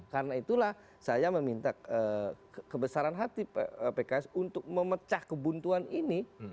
karena itulah saya meminta kebesaran hati pks untuk memecah kebuntuan ini